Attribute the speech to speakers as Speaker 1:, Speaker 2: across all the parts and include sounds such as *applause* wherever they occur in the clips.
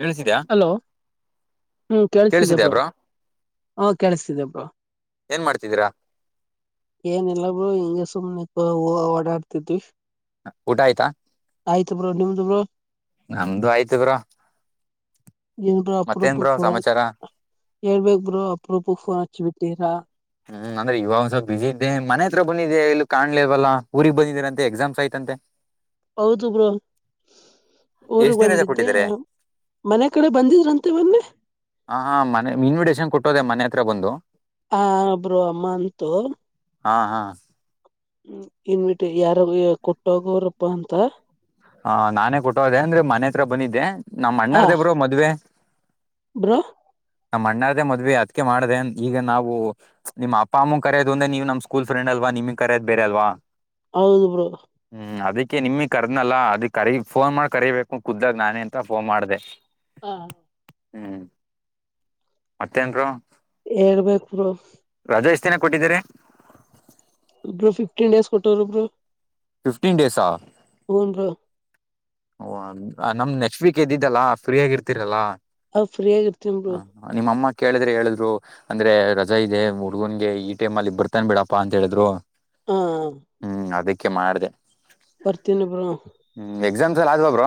Speaker 1: ಕೇಳಿಸಿದ್ಯಾ
Speaker 2: hello ಹ್ಮ್ ಕೇಳಿಸ್ತಿದೆ
Speaker 1: ಕೇಳಿಸಿದ್ಯಾ
Speaker 2: ಬ್ರೊ
Speaker 1: ಬ್ರೋ
Speaker 2: ಹಾ ಕೇಳಿಸ್ತಿದೆ ಬ್ರೊ
Speaker 1: ಏನ್ ಮಾಡ್ತಿದ್ದೀರಾ
Speaker 2: ಏನ್ ಇಲ್ಲ ಬ್ರೊ ಹಿಗೆ ಸುಮ್ನೆ ಒ ಓಡಾಡ್ತಿದ್ವಿ
Speaker 1: ಊಟ ಆಯ್ತಾ
Speaker 2: ಆಯ್ತು ಬ್ರೋ ನಿಮ್ದು ಬ್ರೋ
Speaker 1: ನಮ್ದು ಆಯ್ತು ಬ್ರೋ
Speaker 2: ನ್ರು
Speaker 1: ಮತ್ತೇನ್
Speaker 2: ಅಪರೂಪಕ್
Speaker 1: ಬ್ರೋ
Speaker 2: ಫೋನ್
Speaker 1: ಸಮಾಚಾರ
Speaker 2: ಹೇಳ್ಬೇಕ್ ಬ್ರೊ ಅಪರೂಪಕ್ ಫೋನ್ ಹಚ್ಚಿ ಬಿಟ್ಟಿರ
Speaker 1: ಹ್ಮ್ ಅಂದ್ರೆ ಇವಾಗಂದ್ಸ ಬಿಸಿ ಇದ್ದೆ ಮನೆ ಹತ್ರ ಬಂದಿದ್ದೆ ಎಲ್ಲೂ ಕಾಣ್ಲಿಲ್ವಲ್ಲ ಊರಿಗ್ ಬಂದಿದೀರಂತೆ ಎಕ್ಸಾಮ್ಸ್ ಆಯ್ತಂತೆ
Speaker 2: ಹೌದು ಬ್ರೋ ಊರ್ಗ್
Speaker 1: ಎಷ್ಟ್ ದಿನ ರಜಾ
Speaker 2: ಬಂದಿದ್ದೆ
Speaker 1: ಕೊಟ್ಟಿದ್ದಾರೆ
Speaker 2: ಮನೆ ಕಡೆ ಬಂದಿದ್ರಂತೆ ಮೊನ್ನೆ
Speaker 1: ಹಾ ಹಾ ಮನೆ ಇನ್ವಿಟೇಶನ್ ಕೊಟ್ಟೋದೆ ಮನೆ ಹತ್ರ ಬಂದು
Speaker 2: ಹ ಬ್ರೊ ಅಮ್ಮಂತು
Speaker 1: ಹಾ ಹಾ
Speaker 2: ಇನ್ವಿಟ್ ಯಾರಗೆ ಕೊಟ್ಟೋಗೋರಪ್ಪಾ ಅಂತ.
Speaker 1: ಹ ನಾನೇ ಕೊಟ್ಟೋದೆೇ ಅಂದ್ರೆ ಮನೆ ಹತ್ರ ಬಂದಿದ್ದೆ ನಮ್ಮ್ ಅಣ್ಣಾರ್ದೇ ಬ್ರೊ ಮದ್ವೆ.
Speaker 2: ಬ್ರೊ.
Speaker 1: ನಮ್ ಅಣ್ಣರ್ದೇ ಮದ್ವಿ ಅದ್ಕೆ ಮಾಡ್ದೆ ಈಗ ನಾವು ನಿಮ್ಮ ಅಪ್ಪ ಅಮ್ಮ ಕರೆಯೋದು ಒಂದೆ ನೀವು ನಮ್ಮ್ ಸ್ಕೂಲ್ ಫ್ರೆಂಡ್ ಅಲ್ವಾ. ನಿಮ್ ಕರದ್ ಬೇರೆ ಅಲ್ವಾ.
Speaker 2: ಹೌದು ಬ್ರೋ.
Speaker 1: ಅಕೆ ನಿಮಿಗ್ ಕರ್ದನಲ್ಲ ಅದಿ ಕರಿ ಫೋನ್ ಮಾಡ್ ಕರಿಬೇಕು ಕುದ್ದಾಗಗ್ ನಾನೇ ಅಂತ ಫೋನ್ ಮಾಡ್ದೆ.
Speaker 2: ಹಾ.
Speaker 1: ಹ್ಮ್ ಮತ್ತೇನ್ ಬ್ರೊ.
Speaker 2: ಹೇಳ್ಬೇಕ್ ಬ್ರೋ.
Speaker 1: ಅದೆ ಎಷ್ಟ್ ದಿನ ಕೊಟ್ಟಿದ್ದರೆ,
Speaker 2: ಬ್ರೊ ಫಿಫ್ಟೀನ್ ಡೇಸ್ ಕೊಟ್ಟೋರೆ ಬ್ರೊ
Speaker 1: ಫಿಫ್ಟೀನ್ ಡೇಸಾ.
Speaker 2: ಹುನ್ ಬ್ರೊ.
Speaker 1: ಓ ನಮ್ ನೆಕ್ಸ್ಟ್ ವೀಕ್ ಎದ್ದಲ್ಲಾ ಫ್ರೀಯಾಗ್ ಇರ್ತೀರಲ್ಲಾ.
Speaker 2: ಹ ಫ್ರೀಯಾಗ್ ಇರ್ತೀನ್ ಬ್ರೊ.
Speaker 1: ಕೇಳಿದ್ರೆ ಹೇಳಿದ್ರು ಅಂದ್ರೆ ರಜಾ ಇದೆ ಹುಡುಗನ್ಗೆ ಈ ಟೈಮಲ್ಲಿ ಬರ್ತಾನ ಬಿಡಪ್ಪಾ ಅಂತ ಹೇಳಿದ್ರು.
Speaker 2: ಹ್ಮ್
Speaker 1: ಅದ್ಕೆ ಮಾಡ್ದೆ.
Speaker 2: ಬರ್ತಿನಿ ಬ್ರೊ
Speaker 1: ಎಕ್ಸಾಮ್ಸ್ ಎನ್ ಆಗೋದ್ವ.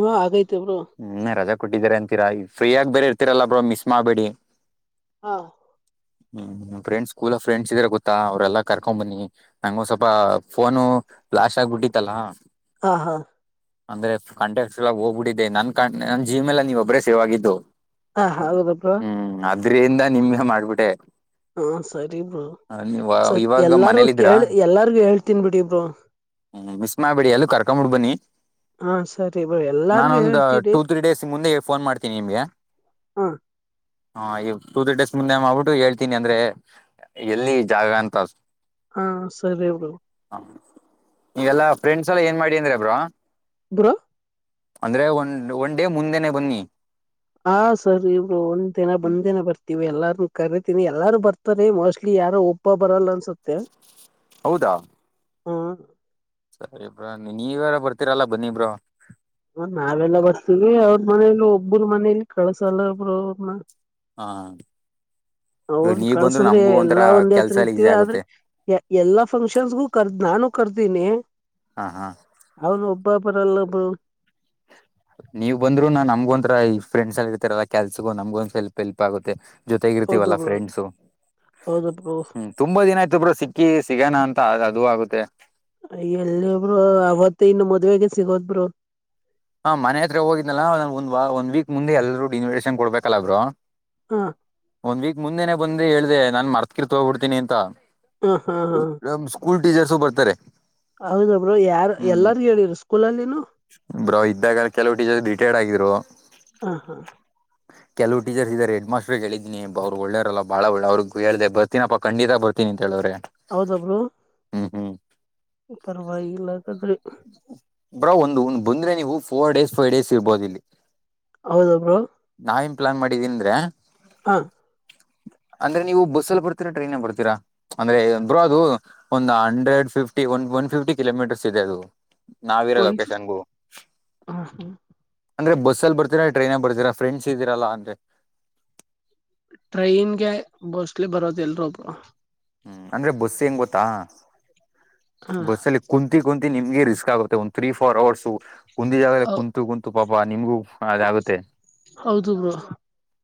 Speaker 2: ಹಾ ಆಗೈತೆ ಬ್ರೋ.
Speaker 1: ಕೊಟ್ಟಿದ್ದಾರೆ ಅಂತೀರ ಫ್ರೀಯಗ್ ಬೇರೆ ಇರ್ತೀರಲ್ಲ ಬ್ರೊ ಮಿಸ್ ಮಾಡ್ಬೇಡಿ.
Speaker 2: ಹಾ.
Speaker 1: ಹ್ಮ್ ಫ್ರೆಂಡ್ಸ್ ಸ್ಕೂಲ್ ಫ್ರೆಂಡ್ಸ್ ಇದ್ರೆ ಗೊತ್ತಾ ಅವ್ರೆಲ್ಲಾ ಕರ್ಕೊಂಡ್ ಬನ್ನಿ ನಂಗ ಒ ಸ್ವಲ್ಪ ಫೋನು. ಪ್ಲಾಶ್ ಆಗ್ಬಿಟ್ಟಿತಲ್ಲಾ.
Speaker 2: ಹಾ ಹಾ
Speaker 1: ಅಂದ್ರೆ ಕಾಂಟ್ಟ್ಯಾಕ್ ಹೋಗ್ಬಿಟ್ಟಿದ್ದೆ ನನ್ ಕ ನನ್ ಜೀ ಮೇಲಗ್ ನೀವ್ ಒಬ್ಬ್ರೇ ಸೇವ್ ಆಗಿದ್ದು
Speaker 2: ಹಾ ಹೌದು ಬ್ರೊ
Speaker 1: ಹ್ಮ್ ಅದ್ರಿಂದ ನಿಮ್ಗೆ ಮಾಡ್ಬಿಟೆ.
Speaker 2: ಹಾ ಸರಿ ಬ್ರೊ ಸರಿ
Speaker 1: ಇವಾಗ
Speaker 2: ಎಲ್ಲಾರ್ಗು
Speaker 1: ಮನೇಲಿದ್ರಾ
Speaker 2: ಕೇಳಿ ಎಲ್ಲಾರ್ಗು ಹೇಳ್ತನ್ ಬಿಡಿ ಬ್ರೊ.
Speaker 1: ಹ್ಮ್ ಮಿಸ್ ಮಾಡ್ಬೇಡಿ ಎಲ್ರು ಕರ್ಕೊಬಿಡ್ ಬನ್ನಿ.
Speaker 2: ಹಾ ಸರಿ ಬ್ರೋ ಎಲ್ಲಾರ್ಗು
Speaker 1: ನಾನೊಂದು
Speaker 2: ಹೇಳ್ತೀರಿ
Speaker 1: ಟೂ ತ್ರೀ ಡೇಸ್ ಮುಂದೆ ಫೋನ್ ಮಾಡ್ತೀನಿ ನಿಮ್ಗೆ.
Speaker 2: ಹಾ
Speaker 1: ಹಾ ಈ ಟೂ ತ್ರೀ ಡೇಸ್ ಮುಂದೆ ಮಾಡ್ಬಿಟ್ಟು ಹೇಳ್ತೀನಿ ಅಂದ್ರೆ ಎಲ್ಲಿ ಜಾಗ ಅಂತ ಅ
Speaker 2: ಹಾ ಸರಿ ಬ್ರೊ
Speaker 1: ಎಲ್ಲಾ ಫ್ರೆಂಡ್ಸ್ ಎಲ್ಲ ಏನ್ ಮಾಡಿ ಅಂದ್ರೆ ಬ್ರೊ
Speaker 2: ಬ್ರೋ
Speaker 1: ಅಂದ್ರೆ ಒನ್ ಒನ್ ಡೇ ಮುಂದೆನೆ ಬನ್ನಿ.
Speaker 2: ಹ ಸರ್ ಇವ್ರು ಒಂದ್ ದಿನ ಬಂದ್ ದಿನ ಬರ್ತೀವಿ ಎಲ್ಲಾರ್ನು ಕರಿತೀನಿ. ಎಲ್ಲಾರು ಬರ್ತಾರೆ ಮೋಸ್ಟ್ಲಿ ಯಾರೋ ಒಬ್ಬ ಬರಲ್ಲ ಅನ್ಸುತ್ತೆ.
Speaker 1: ಹೌದಾ
Speaker 2: ಹ್ಮ
Speaker 1: ಸರಿ ಬ್ರೊ ನೀವಾರ ಬರ್ತೀರಲ್ಲ ಬನ್ನಿ ಬ್ರೊ.
Speaker 2: ನಾವೆಲ್ಲ ಬರ್ತೀವಿ ಅವ್ರ ಮನೇಲಿ ಒಬ್ರು ಮನೇಲಿ ಕಳ್ಸಲ್ಲ ಬ್ರೊ ಅವ್ರನ್ನ.
Speaker 1: ಹಾ
Speaker 2: ಅವರು ಕಳ್ಸದ್ರೆ ಎಲ್ಲಾ ಒಂದ್
Speaker 1: ಕೆಲ್ಸ
Speaker 2: ಹತ್ರ
Speaker 1: ಎಲ್ಲ ಈಸಿ
Speaker 2: ಇರ್ತಿವಿ ಆದ್ರೆ
Speaker 1: ಆಗುತ್ತೆ
Speaker 2: ಎಲ್ಲಾ ಫಂಕ್ಷನ್ಸ್ಗು ಕರ್ದ್ ನಾನು ಕರ್ದ ದಿನೇ
Speaker 1: ಹಾ ಹಾ.
Speaker 2: ಬ ಬರಲ್ಲ ಬ್ರೊ
Speaker 1: *inaudible* ನೀವ್ ಬಂದ್ರು ನಾ ನಮಗ್ ಒಂಥರ ಈ ಫ್ರೆಂಡ್ಸ್ ಆಗಿರ್ತಿರಲ್ಲ ಕೆಲ್ಸಗೂ ನಮ್ಗ ಒಂದ್ ಸ್ವಲ್ಪ ಎಲ್ಪ್ ಆಗುತ್ತೆ.
Speaker 2: ಹೌದು
Speaker 1: ಜೊತೆಗಿರ್ತೀವಲ್ಲಾ
Speaker 2: ಬ್ರೋ
Speaker 1: ಫ್ರೆಂಡ್ಸು
Speaker 2: ಹೌದು ಬ್ರೋ
Speaker 1: ಹ್ಮ ತುಂಬಾ ದಿನ ಆಯ್ತ ಬ್ರ ಸಿಕ್ಕಿ ಸಿಗನ. ತಾ ಅದು ಆಗುತ್ತೆ.
Speaker 2: ಅ ಎಲ್ಲಿ ಬ್ರೊ ಅವತ್ ಇನ್ನು ಮದ್ವೆೆಗೆ ಸಿಗೋದ್ ಬ್ರೊ
Speaker 1: ಹಾ ಮನೆ ಹತ್ರ ಹೋಗಿದ್ನಲ್ಲ ಒಂದ್ ಒಂದ್ ವೀಕ್ ಮುಂದೆ ಎಲ್ರೂ ಇನ್ವಿಟೇಷನ್ ಕೊಡ್ಬೇಕಲ್ಲ ಬ್ರೊ.
Speaker 2: ಹ
Speaker 1: ಮುಂದೆನೆ ಬಂದಿ ಹೇಳ್ದೇ ನಾನ್ ಮರ್ತ್ ಗಿರ್ತ್ ಹೋಗ್ಬಿಡ್ತೀನಿ ಅಂತ
Speaker 2: ಹಾ ಹಾ
Speaker 1: ನಮ್ ಸ್ಕೂಲ್ ಟೀಚರ್ಸು ಬರ್ತಾರೆ.
Speaker 2: ಹೌದ ಬ್ರೊ ಯಾರ್
Speaker 1: ಹ್ಮ್
Speaker 2: ಎಲ್ಲಾರ್ ಹೇಳಿರ ಸ್ಕೂಲಲ್ಲಿನು.
Speaker 1: ಬ್ರೋ ಇದ್ದಾಗ ಕೆಲವು ಟೀಚರ್ ರಿಟೈರ್ಡ್ ಆಗಿದ್ರು.
Speaker 2: ಹಾ ಹಾ
Speaker 1: ಕೆಲವು ಟೀಚರ್ ಇದಾರೆ ಹೆಡ್ ಮಾಸ್ಟರುಗ್ ಹೇಳಿದಿನಿ ಅವರು ಒಳ್ಳೇರಲ್ಲ ಬಾಳ ಒಳ್ಳೆವ್ರು ಅವ್ರಗ್ ಹೇಳ್ದೆ ಬರ್ತೀನಪ್ಪ ಖಂಡಿತ ಬರ್ತೀನಿಂತ. ಹೇಳವ್ರೆ ಹ್ಮ್ ಹ್ಮ್.
Speaker 2: ಪರ್ವಾಗಿಲ್ಲ ಅಂತಂದ್ರೆ.
Speaker 1: ಬ್ರೋ ಒಂದುಂದು ಬಂದ್ರೆ ನೀವು ಫೋರ್ ಡೇಸ್ ಫೈವ್ ಡೇಸ್ ಇರ್ಬೋದು ಇಲ್ಲಿ.
Speaker 2: ಹೌದಬ್ರೋ.
Speaker 1: ನಾವೇನ್ ಪ್ಲಾನ್ ಮಾಡಿದೀನಂದ್ರೇ.
Speaker 2: ಹ
Speaker 1: ಅಂದ್ರೆ ನೀವು ಬಸ್ಸಲ್ಲಿ ಬರ್ತೀರಾ ಟ್ರೈನಲ್ ಬರ್ತೀರಾ ಅಂದ್ರೆ ಬ್ರೋ, ಅದು. ಒಂದು ಹಂಡ್ರೆಡ್ ಫಿಫ್ಟಿ ಒ ಒನ್ ಫಿಫ್ಟಿ ಕಿಲೋಮೀಟರ್ಸ್ ಇದೆ ಅದು. ನಾವಿರೋ
Speaker 2: ಒಂದ್
Speaker 1: ಲೊಕೇಶನ್ಗೂ.
Speaker 2: ಹಾ ಹಾ
Speaker 1: ಅಂದ್ರೆ ಬಸ್ಸಲ್ಲಿ ಬರ್ತೀರಾ ಟ್ರೈನಲ್ಲಿ ಬರ್ತೀರಾ ಫ್ರೆಂಡ್ಸ್ ಇದ್ದೀರಲ್ಲ ಅಂದೆ.
Speaker 2: ಟ್ರೈನ್ಗೆ ಮೋಸ್ಟ್ಲಿ ಬರೋದ ಎಲ್ರು ಬ್ರೋ.
Speaker 1: ಹ್ಮ್ ಅಂದ್ರೆ ಬಸ್ ಹೆಂಗ್ ಗೊತ್ತಾ
Speaker 2: ಹಾ
Speaker 1: ಬಸ್ಸಲ್ಲಿ ಕುಂತಿ. ಕುಂತಿ ನಿಮ್ಗೆ ರಿಸ್ಕ್ ಆಗುತ್ತೆ ಒಂದ್ ತ್ರೀ ಫೋರ್ ಅವರ್ಸ್ ಕುಂದಿದ ಜಾಗ ಕುಂತು ಕುಂತು ಪಾಪ ನಿಮಗು.
Speaker 2: ಹೌದು ಬ್ರೋ.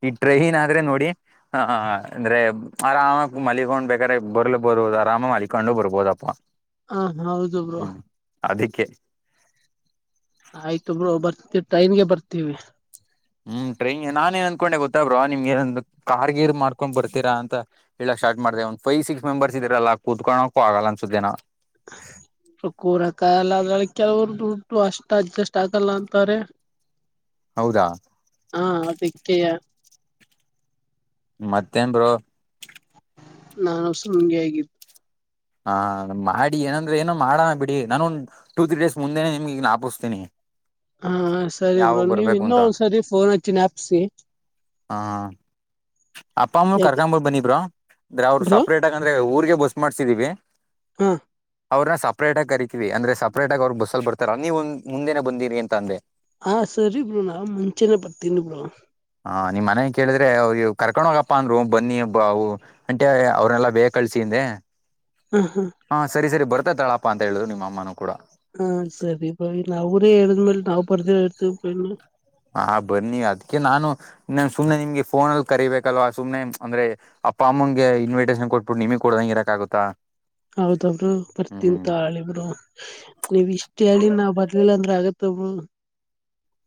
Speaker 1: ಈ ಟ್ರೈನ್ ಆದ್ರೆ ನೋಡಿ ಅಂದ್ರೆ ಆರಾಮಾಗಿ ಮಲಗೊಂಡ್ಬೇಕ್ *unintelligible* ರೆ ಬೊರಳು ಬೋದು ಅರಾಮಾಗಿ ಮಲಿಕೊಂಡು ಬರಬೋದಪ್ಪ.
Speaker 2: ಹಾ ಹೌದು ಬ್ರೋ.
Speaker 1: ಕೆ
Speaker 2: ಆಯ್ತೊ ಬ್ರೋ ಬರ್ತವಿ ಟೈನ್ಗೆ ಬರ್ತೀವಿ.
Speaker 1: ಹ್ಮ್ ಟ್ರೈನ್ಗ ಗೆ ನಾನ ಏನ್ ಅಂದನ್ಕೊಂಡೆ ಗೊತ್ತಾ ಬ್ರೋ, ನಿಮ್ಗೆ ಕಾರ್ ಗೀರ್ ಮಾಡ್ಕೊಂಡ್ ಬರ್ತೀರಾ ಅಂತ ಹೇಳಕ್ ಸ್ಟಾರ್ಟ್ ಮಾಡಿದೆ ಒಂದ್ ಫೈವ್ ಸಿಕ್ಸ್ ಮೆಂಬರ್ಸ್ ಇದ್ರಲ್ಲ ಕೂತ್ಕೊಳ್ಳಕು ಆಗಲ್ಲ ಅನ್ಸುತೇನೋ.
Speaker 2: ಸ್ವಲ್ಪ ಕೂರಕ್ಕಾಗಲ್ಲ ಆದ್ರಳ ಕೆಲವರ್ ಉಂಟು ಅಷ್ಟ ಅಡ್ಜಸ್ಟ್ ಆಗಲ್ಲ ಅಂತಾರೆ.
Speaker 1: ಹೌದಾ
Speaker 2: ಹಾ ಅದಿಕ್ಕೆಯ.
Speaker 1: ಮತ್ತೇನ್ ಬ್ರೋ.
Speaker 2: ನಾನು ಸಮ್ಮಗೆ ಅಗಿದ್ದ್.
Speaker 1: ಹ ಮಾಡಿ ಏನಂದ್ರೆ ಏನೋ ಮಾಡನ ಬಿಡಿ ನಾನು ಟೂ ತ್ರೀ ಡೇಸ್ ಮುಂದೆನೆ ನಿಮ್ಗೆ ನಾಪಿಸ್ತೀನಿ.
Speaker 2: ಹಾ ಸರಿ ಬ್ರೋ
Speaker 1: ಯಾವಾಗ
Speaker 2: ನೀವ್
Speaker 1: ಬರ್ಬೇಕು
Speaker 2: ಇನ್ನೊ
Speaker 1: ಅಂತ
Speaker 2: ಒಂದ್ಸರಿ ಫೋನ್ ಹಚ್ಚ ಞಪ್ಸಿ.
Speaker 1: ಹಾ ಅಪ್ಪ ಅಮ್ಮನು
Speaker 2: ಯಾಕೆ
Speaker 1: ಕರ್ಕೊಂಬ ಬನ್ನಿ ಬ್ರೋ ಅಂದ್ರೆ ಅವ್ರು
Speaker 2: ಬ್ರೋ
Speaker 1: ಸಪ್ರೇಟ್ ಆಗಂದ್ರೆ ಊರ್ಗೆ. ಬಸ್ ಮಾಡ್ಸಿದೀವಿ.
Speaker 2: ಹ್ಮ
Speaker 1: ಅವ್ರನ್ನ ಸಪ್ರೇಟ್ ಆಗಿ ಕರಿತೀವಿ ಅಂದ್ರೆ ಸಪ್ರೇಟಾಗಿ ಅವ್ರು ಬಸಗ ಬರ್ತಾರ ನೀವು ಒಂದ ಮುಂದೆನೆ ಬಂದೀರಿ ಅಂತ ಅಂದೆ.
Speaker 2: ಹಾ ಸರಿ ಬ್ರೋ ನಾ ಮುಂಚೆನೆ ಬತೀನಿ ಬ್ರೋ.
Speaker 1: ಹಾ ನಿಮ್ ಮನೆ ಕೇಳಿದ್ರೆ ಅವ್ ಯು ಕರ್ಕೊಂಡ ಹೋಗಪ್ಪಾ ಅಂದ್ರು ಬನ್ನಿ ಬಾವು ಅಂಟೆ ಅವ್ರನ್ನೆಲ್ಲಾ ಬೇಗ ಕಳ್ಸಿಂದೆ.
Speaker 2: ಹ ಹ
Speaker 1: ಹಾ ಸರಿ ಸರಿ ಬರ್ತತಾಳಪ್ಪ ಅಂತ ಹೇಳರು ನಿಮ್ಮ ಅಮ್ಮನೂ ಕೂಡ.
Speaker 2: ಹಾ ಸರಿ ಬ್ರೋ ನಾವ್ರೇ ಹೇಳಿದ್ಮೇಲೆ ನಾವು ಬರ್ದೀವ ಇರ್ತೀವಿ *unintelligible*
Speaker 1: ಹ ಬನ್ನಿ ಅದಕ್ಕೆ ನಾನು ಸುಮ್ನೆ ನಿಮ್ಗೆ ಫೋನಲ್ಲಿ ಕರಿಬೇಕಲ್ವಾ ಸುಮ್ನೆ ಅಂದ್ರೆ. ಅಪ್ಪ ಅಮ್ಮಂಗೆ ಇನ್ವೈಟೇಷನ್ ಕೊಟ್ಬಿಟ್ಟು ನಿಮಗ್ ಕೊಡದಂಗೆ ಇರಕ ಆಗುತ್ತಾ.
Speaker 2: ಹೌದು ಬ್ರೋ ಬರ್ತೀನ್
Speaker 1: ಹ್ಮ್
Speaker 2: ತಾಳಿ ಬ್ರೋ ನೀವ್ ಇಷ್ಟ ಹೇಳಿ ನಾ ಬರ್ಲಿಲ್ಲಂದ *unintelligible* ಆಗತ್ತ ಬ್ರೋ.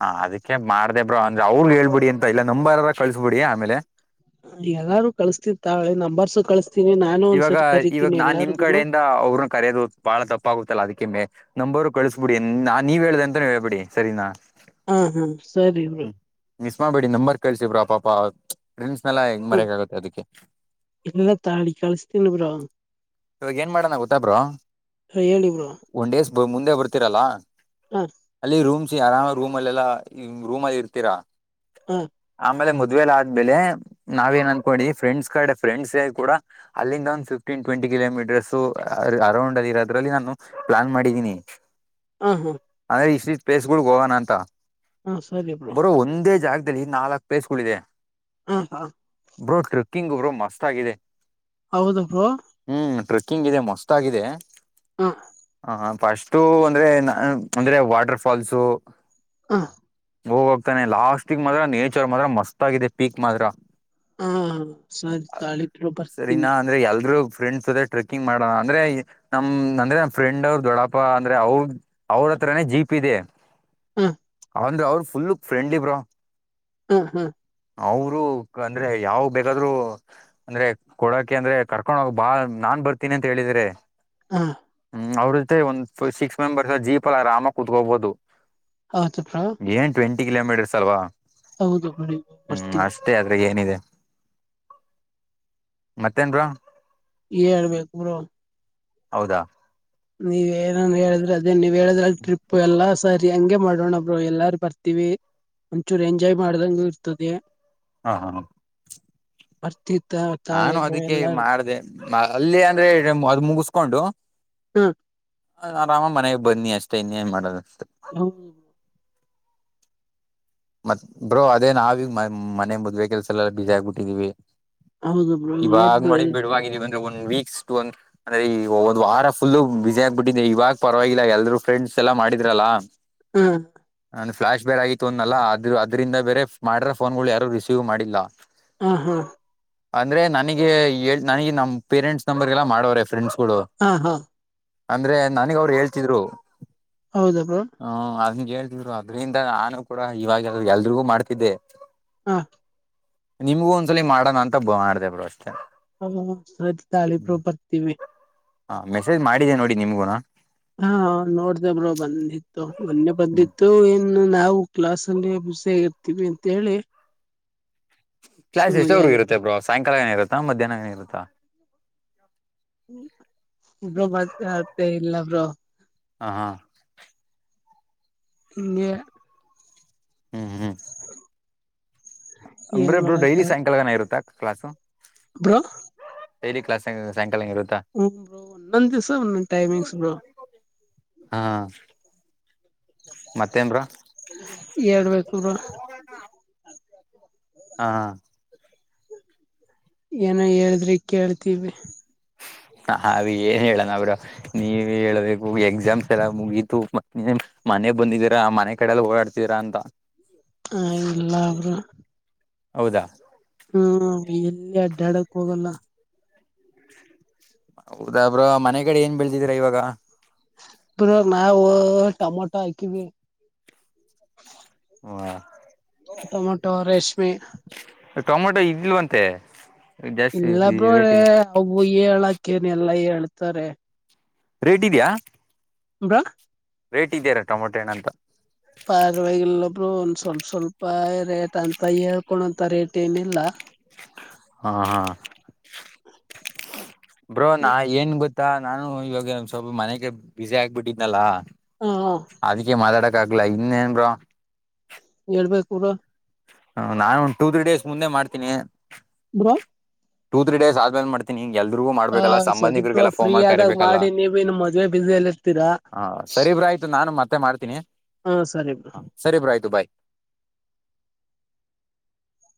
Speaker 1: ಹಾ ಅದಕ್ಕೆ ಮಾಡ್ದೆ ಬ್ರೋ ಅಂದ್ರೆ ಅವ್ರಗ್ ಹೇಳ್ಬಿಡಿ ಎಂತ ಇಲ್ಲಾ ನಂಬಾರ ಕಳ್ಸ್ಬಿಡಿ ಆಮೇಲೆ.
Speaker 2: ಎಲ್ಲಾರು ಕಳಸ್ತಿವಿ ತಾಳಿ ನಂಬರ್ಸು ಕಳಸ್
Speaker 1: ಇವಾಗ ಇವಾಗ ನಾನ್ ನಿಮ್ ಕಡೆಯಿಂದ ಅವ್ರನು ಕರೆಯೋದು ಬಾಳ ತಪ್ಪ್ ಆಗುತ್ತಲ್ಲಾ ಅದಕ್ಕೆಮೇ ನಂಬವರು ಕಳ್ಸಬಿಡಿ ನಾ ನೀವ್ ಹೇಳ್ದೆ ಅಂತ ಹೇಳ್ಬಿಡಿ ಸರಿನಾ.
Speaker 2: ಹ್ಮ ಹ್ಮ ಸರಿ ಬ್ರೋ.
Speaker 1: ಮಾಡಬೇಡಿ ನಂಬರ್ ಕಲ್ಸಿ ಬ್ರೋ ಪಾಪ ಫ್ರೆಂಡ್ಸ್ ನೆಲ್ಲಾ ಹೆಂಗ್
Speaker 2: ಹ್ಮ್
Speaker 1: ಮರಯಕ್ ಆಗತ್ತೆ ಅದಕ್ಕೆ.
Speaker 2: ತಿಿನಿ ಬ್ರಾ
Speaker 1: ಇವಾಗ ಏನ್ ಮಾಡೋಣ ಗೊತ್ತಾಬ್ರ
Speaker 2: ಹೇಳಿ ಬ್ರೋ
Speaker 1: ಒಂದ್ ಡೇಸ್ ಮುಂದೆ ಬರ್ತೀರಲ್ಲ
Speaker 2: ಹಾ
Speaker 1: ಅಲ್ಲಿ ರೂಮ್ಸ ಆರಾಮ ರೂಮ್ ಅಲ್ಲೆಲ್ಲಾ ರೂಮ್ ಅಲ್ಲಿ ಇರ್ತೀರಾ
Speaker 2: ಹ್ಮ
Speaker 1: ಆಮೇಲೆ ಮದ್ವೆಲ ಆದ್ಮೇಲೆ ನಾವ ಏನ್ ಅನ್ಕೊಂಡಿ ಫ್ರೆಂಡ್ಸ್ ಕಡೆ ಫ್ರೆಂಡ್ಸ್ ಕೂಡ ಅಲ್ಲಿಂದ ಒಂದ್ ಫಿಫ್ಟೀನ್ ಟ್ಂಟಿ ಕಿಲೋಮೀಟರ್ ಅರೌಂಡ್ ಅಲ್ಲಿಿರೋದ್ರಲ್ಲಿ ನಾನು ಪ್ಲಾನ್ ಮಾಡಿದೀನಿ
Speaker 2: ಹಾ ಹಾ
Speaker 1: ಇಷ್ಟ ಪ್ಲೇಸ್ಗಳು ಗೋವಾನ ಅಂತ
Speaker 2: ಹಾ ಸರಿ ಬ್ರೋ
Speaker 1: ಬರೋ ಒಂದೇ ಜಾಗ ನಾಲ್ಕು ಪ್ಲೇಸ್ ಗಳು ಇದೆ
Speaker 2: ಹ ಹಾ
Speaker 1: ಬ್ರೋ ಟ್ರೆಕ್ಕಿಂಗ್ ಬ್ರೋ ಮಸ್ತ್ ಆಗಿದೆ
Speaker 2: ಹೌದಪ್ಪ
Speaker 1: ಹ್ಮ್ ಟ್ರೆಕ್ಕಿಂಗ್ ಇದೆ ಮಸ್ತ್ ಆಗಿದೆ
Speaker 2: ಹ
Speaker 1: ಹ ಫಸ್ಟು ಅಂದ್ರೆ ನ ಅಂದ್ರೆ ವಾಟರ್ ಫಾಲ್ಸ
Speaker 2: ಹ
Speaker 1: ಹೋಗೋಗ್ತಾನೆ ಲಾಸ್ಟಿಗೆ ಮಾತ್ರ ನೇಚರ್ ಮಾತ್ರ ಮಸ್ತ್ ಆಗಿದೆ ಪೀಕ್ ಮಾತ್ರ
Speaker 2: ಹ ಸರಿ ತಾಳಿ ಬ್ರೋ ಬರ್ತೀನಿ
Speaker 1: ಸರಿನಾ ಅಂದ್ರೆ ಎಲ್ರು ಫ್ರೆಂಡ್ಸ್ ಜೊತೆ ಟ್ರೆಕ್ಕಿಂಗ್ ಮಾಡೋಣ ಅಂದ್ರೆ ನಮ್ ಅಂದ್ರೆ ನಮ್ಮ ಫ್ರೆಂಡ್ ಅವ್ರ ದೊಡಪ್ಪ ಅಂದ್ರೆ ಅವ್ರ ಅವ್ರ ತ್ರ ಜೀಪ್ ಇದೆ
Speaker 2: ಹ್ಮ
Speaker 1: ಅಂದ್ರೆ ಅವ್ರರು ಫುಲ್ ಫ್ರೆಂಡ್ಲಿಬ್ರಾ
Speaker 2: ಹ್ಮ ಹಾ
Speaker 1: ಅವರು ಅಂದ್ರೆ ಯಾವ ಬೇಕಾದ್ರರು ಅಂದ್ರೆ ಕೊಡಾಕೆ ಅಂದ್ರೆ ಕರ್ಕೊಂಡ ಹೋಗಬ ಬಾ ನಾನ್ ಬರ್ತೀನಿ ಅಂತ ಹೇಳಿದ್ರೆ
Speaker 2: ಹ
Speaker 1: ್ ಅವ್ರ ಜೊತೆ ಒಂದು ಸಿಕ್ಸ್ ಮೆಂಬರ್ಸ್ ಜೀಪ್ ಅಲ್ಲ ಆರಾಮ ಕುೂತ್ಕೋಬಹುದು
Speaker 2: ಹೌ ಚಪ್ರಾ
Speaker 1: ಈಗ್ಲಂಬಿಡಿರ್ಸಲ್ವಾ ಹ್ಮ್
Speaker 2: ಬರ್ತೀವಿ
Speaker 1: ಅಷ್ಟೇ ಅದ್ರ ಏನಿದೆ ಮತ್ತೇನ್ರ
Speaker 2: ಇರ್ಬೇಕು ಪುರೋ
Speaker 1: ಹೌದಾ
Speaker 2: ನೀವ ಏನನ್ ಹೇಳಿದ್ರೆ ಅದೇ ನೀವ್ ಹೇಳಿದ್ರ ಟ್ರಿಪ್ ಎಲ್ಲ ಸರಿ ಹಂಗಗೆ ಮಾಡೋಣಬ್ರು ಎಲ್ಲಾರು ಬರ್ತೀವಿ ಒಂಚೂರು ಎಂಜಾಯ್ ಮಾಡ್ದಂಗ ಇರ್ತದೆ
Speaker 1: ಹಾ ಹಾ ಹ
Speaker 2: ಅರ್ತಿತ್
Speaker 1: ನಾನು ಅದಕ್ಕೆ ಮಾಡ್ದ ಅಲ್ಲಿ ಅಂದ್ರೆ ಅದ್ ಮುಗಿಸಕೊಂಡು
Speaker 2: ಹ್ಮ
Speaker 1: ಆರಾಮ ಮನೆಗ್ ಬನ್ನಿ ಅಷ್ಟೇ ಇನ್ನೇನ್ ಮಾಡದ
Speaker 2: ಹ್ಮ
Speaker 1: ಮತ್ ಬ್ರೋ ಅದೇ ನಾವೀ ಮನೆ ಮದ್ವೆೆ ಕೆಲ್ಸ ಎಲ್ಲ ಬಸಿ ಆಗ್ಬಿಟ್ಟಿದೀವಿ
Speaker 2: ಹೌದು ಬ್ರೋ ಏನ್
Speaker 1: ಇವಾಗ
Speaker 2: ಬ್ರೋ
Speaker 1: ಮಾಡಿದ ಬಿಡುವ ಬ ಒಂದು ವೀಕ್ಸ್ ಒ ಅಂದ್ರೆ ಒಂದು ವಾರ ಫುಲ್ು ಬಿಸಿಿ ಆಗ್ಬಿಟ್ಟಿದ್ದಿದೆ ಇವಾಗ ಪರವಾಗಿಲ್ಲ ಎಲ್ರೂ ಫ್ರೆಂಡ್ಸ್ ಎಲ್ಲಾ ಮಾಡಿದ್ರಲ್ಲ
Speaker 2: ಹ್ಮ
Speaker 1: ನನ್ನ ಫ್ಲ್ಾ ಬೇರೆ ಆಯಿತ್ತು ಅಂದಲ್ಲ ಅ್ರ ಅದ್ರಿಂದ ಬೇರೆ ಮಾಡ್ರ ಫೋನ್ಗಳು ಯಾರು ರಿಸೀವ್ ಮಾಡಿಲ್ಲ
Speaker 2: ಹಾ ಹಾ
Speaker 1: ಅಂದ್ರೆ ನನಗೆ ನನಗೆ ನಮ್ ಪೇರೆಂಟ್ಸ್ ನಂಬರ್ಗೆಲ್ಲ ಮಾಡೋವ್ರೆ ಫ್ರೆಂಡ್ಸ್ ಗಳು
Speaker 2: ಹಾ ಹಾ
Speaker 1: ಅಂದ್ರೆ ನನಗ ಅವ್ರು ಹೇಳ್ತಿದ್ರು
Speaker 2: ಹೌದ ಬ್ರೋ
Speaker 1: ಹ ಕೇಳ್ತ್ರು ಅದ್ರಿಂದ ನಾನು ಕೂಡ ಇವಾಗರು ಎಲ್ರಿಗೂ ಮಾಡ್ತಿದ್ದೆ
Speaker 2: ಹಾ
Speaker 1: ನಿಮ್ಗೂ ಒಂದ್ಸಲಲಿ ಮಾಡೋಣ ಅಂತ ಮಾಡ್ದ ಬ್ರೋ ಅಷ್ಟೇ
Speaker 2: ಹ ಸ ತಾಳಿ
Speaker 1: ಹ್ಮ್
Speaker 2: ಪ್ರಪತಿ
Speaker 1: ಹ ಮೆಸೇಜ್ ಮಾಡಿನೀ ನೋಡಿ ನಿಮ್ಗುನ
Speaker 2: ಹಾ ನೋಡ್್ದೇಬ್ರೋ ಬಂದಿತ್ತು ಮೊನ್ನೆ
Speaker 1: ಹ್ಮ್
Speaker 2: ಬಂದಿತ್ತು ಏನ್ ಇನ್ನು ನಾವು ಕ್ಲಾಸ್ ಅಲ್ಲಿ ಬಿಸ ಆಗಿರ್ತೀವಿ ಅಂತ ಹೇಳಿ
Speaker 1: ಕ್ಲಾಸ್
Speaker 2: ಸುಮ್ಗೆ
Speaker 1: ಎಷ್ಟವ್ರಗೂ
Speaker 2: ಅದೆ
Speaker 1: ಇರುತ್ತೆ ಬ್ರೋ ಸಾಯಂಕಾಲನ ಇರುತ್ತಾ ಮಧ್ಯಾಹ್ನನ ಇರುತ್ತಾ
Speaker 2: ಇ ಬ್ರೋ ಮ ಅತ ಇಲ್ಲ ಬ್ರೋ
Speaker 1: ಹ ಹಾ
Speaker 2: ಹಗೆ
Speaker 1: ಹೂ ಹೂ
Speaker 2: ಏನ್
Speaker 1: ಅಂದ್ರೆಬ್ರೋ
Speaker 2: ಮಾಡಕ
Speaker 1: ಡೈಲಿ ಸಾಯಂಕಾಲನ ಇರುತ್ತ ಕ್ಲಾಸ್ು
Speaker 2: ಬ್ರೋ
Speaker 1: ಡೈಲಿ ಕ್ಲಾಸ್ ಇರುತ್ತಾ
Speaker 2: ಹೂ ಬ್ರೋ ಒಂದು ದಿವಸ ಒಂದು ಒಂದು ಟೈಮಿಂಗ್ಸ್ ಬ್ರೋ
Speaker 1: ಹಾ ಮತ್ತೇನ್ ಬ್ರೋ
Speaker 2: ಹೇಳ್ಬೇಕು ಬ್ರೋ
Speaker 1: ಹಾ
Speaker 2: ಏನೋ ಹೇಳಿದ್ರಿ ಕೇಳ್ತೀವಿ
Speaker 1: ಹಾಗೆ ಏನ್ ಹೇಳಣ ಅವರು ನೀವೇ ಹೇಳ್ಬೇಕು ಎಕ್ಸಾಮ್ಸ್ ಎಲ್ಲಾ ಮುಗೀತು ಮ ಮನೆ ಬಂದಿದ್ದೀರಾ ಮನೆ ಕಡೆಲ್ಲ ಓಡಾಡ್ತೀರಾ ಅಂತ
Speaker 2: ಹ ಇಲ್ಲ
Speaker 1: ಹೌದಾ
Speaker 2: ಹೂಎಲ್ಲಿ ಅಡ್ಡಾಡಕ್ ಹೋಗಲ್ಲ
Speaker 1: ಹೌದಾಬ್್ರ ಮನೆ ಕಡೆ ಏನ್ ಬೆಳದಿದಿರಾ ಇವಾಗ
Speaker 2: ಬ್ರೋ ನಾವು ಟಮೊಟೋ ಆಕಿವಿ
Speaker 1: ಹಾ
Speaker 2: ಟೊಮೊಟೊ ರೇಷ್ಮಿ
Speaker 1: ಟೊಮೊಟೊ ಇದಲ್ವಂತೆ
Speaker 2: ಇಲ್ಲಬ್ರೋ ಅವು ಹೇಳಕೇನ್ ಎಲ್ಲಾ ಹೇಳ್ತಾರೆ
Speaker 1: ರೇಟ್ ಇದೀಯ
Speaker 2: ಬ್ರೋ
Speaker 1: ರೇಟ್ ಇದೆಯರಾಟಮೊಟೋ ಅಂತ
Speaker 2: ಪರವಾಗಿಲ್ಲ ಬ್ರೋ ಒಂದ್ ಸ್ವಲ್ಪ ಸ್ವಲ್ಪ ರೇಟ್ ಅಂತ ಹೇಳ್ಕೊಂತ ರೇಟ್ ಏನಿಲ್ಲ
Speaker 1: ಹಾ ಹಾ ಬ್ರೋ ನ ಏನ್ ಗೊತ್ತ ಮತ್ತ ನಾನು ಇವಾಗ ಸ್ವಲ್ಪ ಮನೆಗೆ ಬಿಸಿ ಆಗ್ಬಿಟ್ಟಿದ್ನಲ್ಲ
Speaker 2: ಹಾ
Speaker 1: ಅದಕ್ಕೆ ಮಾತಾಡ ಾಗಗ್ಲ ಇನ್ನೇನ್ರ
Speaker 2: ಹೇಳ್ಬೇಕು ಬ್ರೋ
Speaker 1: ಹ ನಾನು ಒಂದ ಟೂ ತ್ರೀ ಡೇಸ್ ಮುಂದೆ ಮಾಡ್ತೀನಿ
Speaker 2: ಬ್ರೋ
Speaker 1: ಟೂ ತ್ರೀಡೇಸ್ ಆದ್ಮೇಲೆ ಮಾಡತೀನಿಗ ಎಲ್ರಿಗೂ
Speaker 2: ಹ
Speaker 1: ಮಾಡ್ಬೇಕಲ್ಲ
Speaker 2: ಸರಿ ಬ್ರೋ
Speaker 1: ಸಂಬಂಧಿಕರಿಗೆಲ್ಲ ಫೋನ್
Speaker 2: ಫ್ರೀ
Speaker 1: ಮಾಡ
Speaker 2: ಆದಾಗ
Speaker 1: ಕರಿಬೇಕಲ್ಲ
Speaker 2: ಮಾಡಿ ನೀವೇನು ಮದ್ವೆ ಬ್ಯುಸಿಯಲ್ಲಿ ಇರ್ತೀರಾ
Speaker 1: ಸರಿ ಇಬ್್ರ ಆಯತು ನಾನು ಮತ್ತೆ ಮಾಡತೀನಿ
Speaker 2: ಹಾ ಸರಿ ಬ್ರೋ